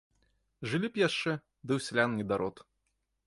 Жылі б яшчэ, ды ў сялян недарод.